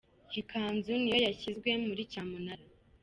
Iyi kanzu niyo yashyizwe mu cyamunara.